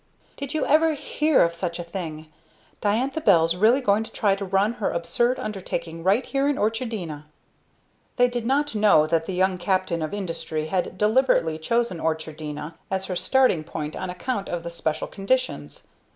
"Did you ever hear of such a thing! Diantha Bell's really going to try to run her absurd undertaking right here in Orchardina!" They did not know that the young captain of industry had deliberately chosen Orchardina as her starting point on account of the special conditions.